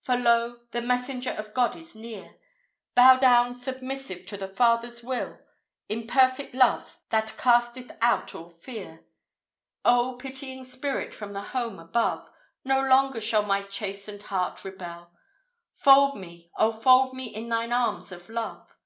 For, lo! the messenger of God is near; Bow down submissive to the Father's will, In "perfect love" that "casteth out all fear." O, pitying Spirit from the home above! No longer shall my chastened heart rebel; Fold me, O fold me in thine arms of love!